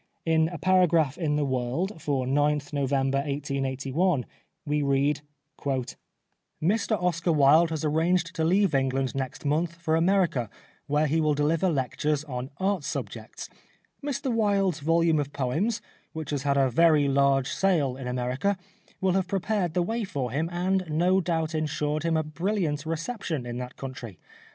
In i88 The Life of Oscar Wilde a paragraph in The World for 9th November 1881 we read : "Mr Oscar Wilde has arranged to leave England next month for America where he will deliver lectures on Art subjects. Mr Wilde's volume of poems, which has had a very large sale in America, will have prepared the way for him and no doubt insured him a brilliant reception in that country.